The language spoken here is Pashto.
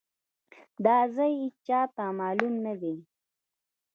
دا ځای ايچاته مالوم ندی.